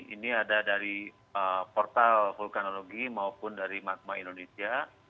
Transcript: ini ada dari portal vulkanologi maupun dari magma indonesia